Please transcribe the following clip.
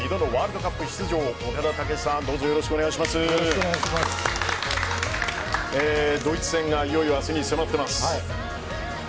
ドイツ戦がいよいよ明日に迫っています。